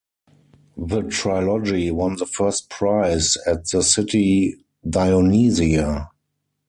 The trilogy won the first prize at the City Dionysia.